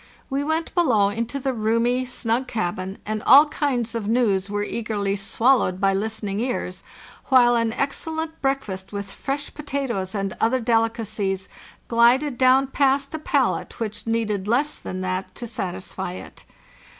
We went below into the roomy, snug cabin, and all kinds of news were eagerly swallowed by listening ears, while an excellent breakfast with fresh potatoes and other delicacies glided down past r=) a palate which needed less than that to satisfy it.